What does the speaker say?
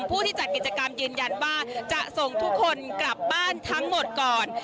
ผู้ที่จัดกิจกรรมยืนยันว่าจะส่งทุกคนกลับบ้านทั้งหมดก่อน